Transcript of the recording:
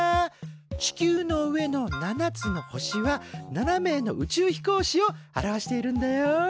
地球の上の７つの星は７名の宇宙飛行士を表しているんだよ。